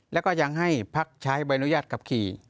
แล้วก็ยังให้พักใช้ใบอนุญาตขับขี่